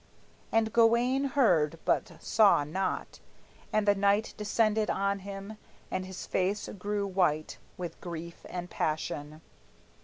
And Gawayne heard but saw not; and the night Descended on him, and his face grew white With grief and passion.